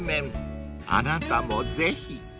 ［あなたもぜひ］